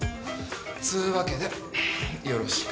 っつうわけでよろしく。